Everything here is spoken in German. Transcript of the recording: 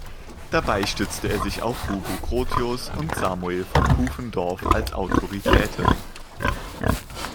Dabei stützte er sich auf Hugo Grotius und Samuel von Pufendorf als Autoritäten.